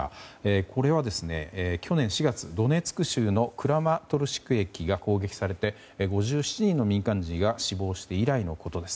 これは去年４月ドネツク州のクラマトルシク駅が攻撃されて５７人の民間人が死亡して以来のことです。